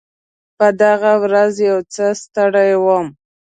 په دغه ورځ یو څه ستړی وم.